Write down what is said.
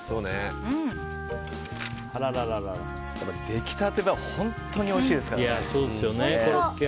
出来たては本当においしいですからね。